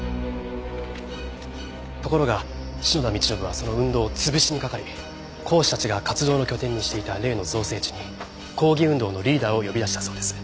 ところが篠田道信はその運動を潰しにかかり講師たちが活動の拠点にしていた例の造成地に抗議運動のリーダーを呼び出したそうです。